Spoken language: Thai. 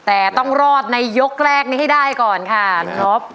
แต่ต้องรอดในยกแรกนี้ให้ได้ก่อนค่ะคุณน็อฟ